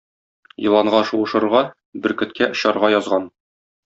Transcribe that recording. Еланга шуышырга, бөркеткә очарга язган.